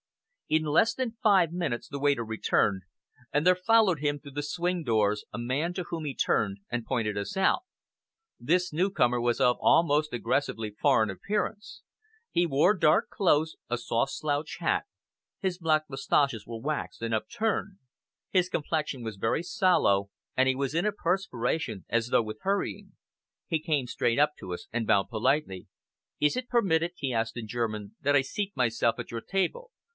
In less than five minutes the waiter returned, and there followed him through the swing doors a man to whom he turned and pointed us out. This newcomer was of almost aggressively foreign appearance. He wore dark clothes, a soft slouch hat; his black moustaches were waxed and upturned. His complexion was very sallow, and he was in a perspiration, as though with hurrying. He came straight up to us, and bowed politely. "Is it permitted," he asked in German, "that I seat myself at your table?